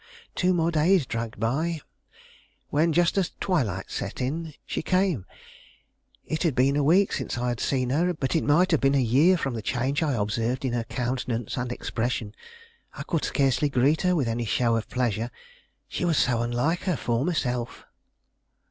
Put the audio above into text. Two more days dragged by, when, just as twilight set in, she came. It had been a week since I had seen her, but it might have been a year from the change I observed in her countenance and expression. I could scarcely greet her with any show of pleasure, she was so unlike her former self.